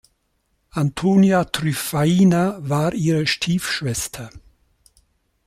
Antonia Tryphaina war ihre Stiefschwester.